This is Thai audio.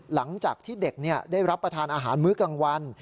หลังจากที่เด็กได้รับประทานอาหารมื้อกลางวัน